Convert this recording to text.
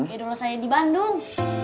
idol saya di bandung